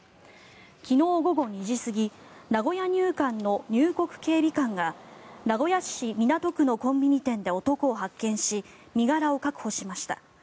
昨日午後２時過ぎ名古屋入管の入国警備官が名古屋市港区のコンビニ店で男を発見し身柄を確保しました。